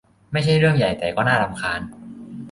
ไม่ใช่เรื่องใหญ่แต่ก็น่ารำคาญ